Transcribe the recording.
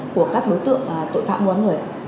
của các đối tượng tội phạm ngoan người